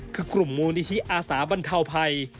คือกลุ่มมูลนิธิอาสาบรรเทาภัย